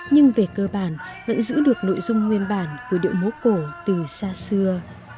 nhưng về cơ bản vẫn giữ được nội dung nguyên bản của điệu múa cổ từ xa xưa